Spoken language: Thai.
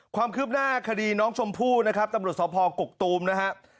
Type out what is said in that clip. ความคืบหน้าคดีน้องชมพู่นะครับตำรวจสภกกตูมนะครับ